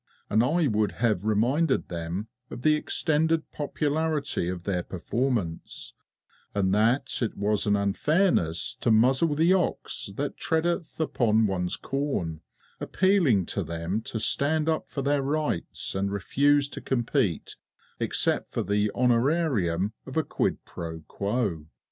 And I would have reminded them of the extended popularity of their performance, and that it was an unfairness to muzzle the ox that treadeth upon one's corn, appealing to them to stand up for their rights, and refuse to compete except for the honorarium of a quid pro quo.